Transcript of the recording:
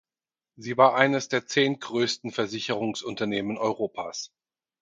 Sie war eines der zehn grössten Versicherungsunternehmen Europas.